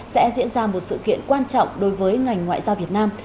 sẽ diễn ra một sự kiện quan trọng đối với ngành ngoại giao việt nam